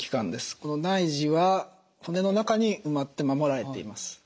この内耳は骨の中に埋まって守られています。